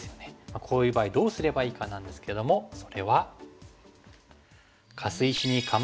こういう場合どうすればいいかなんですけどもそれは。